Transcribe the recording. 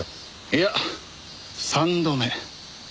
いや３度目。